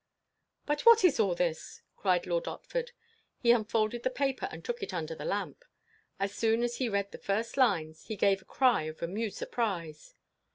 "But what is all this?" cried Lord Otford. He unfolded the paper and took it under the lamp. As soon as he had read the first lines, he gave a cry of amused surprise.